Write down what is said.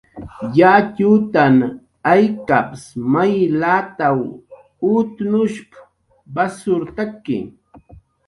"yatxutan aykaps may lataw utnushp"" wasurtaki."